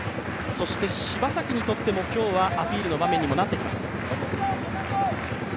そして柴崎にとっても今日はアピールの場面にもなってきます。